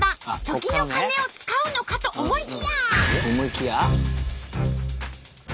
時の鐘を使うのかと思いきや！